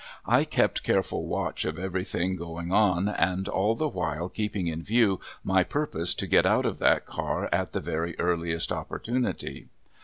I kept careful watch of everything going on and all the while keeping in view my purpose to get out of that car at the very earliest opportunity.